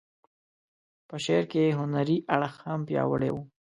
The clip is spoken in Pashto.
په شعر کې یې هنري اړخ هم پیاوړی و.